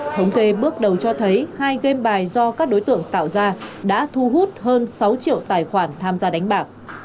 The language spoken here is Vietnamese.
thống kê bước đầu cho thấy hai game bài do các đối tượng tạo ra đã thu hút hơn sáu triệu tài khoản tham gia đánh bạc